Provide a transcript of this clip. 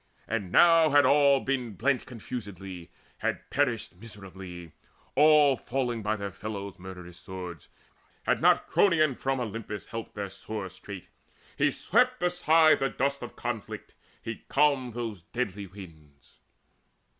And now had all been blent Confusedly, had perished miserably, All falling by their fellows' murderous swords, Had not Cronion from Olympus helped Their sore strait, and he swept aside the dust Of conflict, and he calmed those deadly winds.